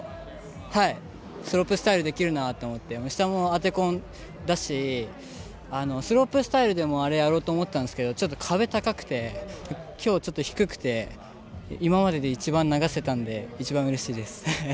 スロープスタイルできるなと思って下も当てこんだしスロープスタイルでもあれをやろうと思ったんですけどちょっと壁が高くてきょう、低くて今までで一番流せたので一番うれしいです。